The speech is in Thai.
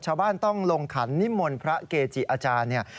ชาวบ้านต้องลงขันนิมนต์พระเกจิอาจารย์เนี่ย